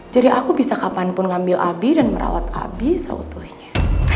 jadi aku bisa kapanpun ngambil abi dan merawat abi seutuhnya